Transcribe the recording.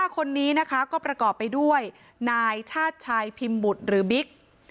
๕คนนี้นะคะก็ประกอบไปด้วยนายชาติชายพิมพ์บุตรหรือบิ๊ก